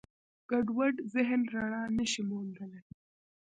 ګډوډ ذهن رڼا نهشي موندلی.